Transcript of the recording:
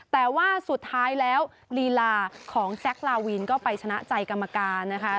แต่ว่าสุดท้ายแล้วลีลาของแจ๊คลาวินก็ไปชนะใจกรรมการนะคะ